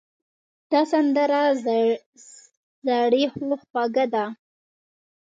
دا سندره زړې خو خوږه ده.